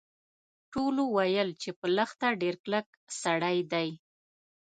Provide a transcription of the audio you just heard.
ټولو ویل چې په لښته ډیر کلک سړی دی.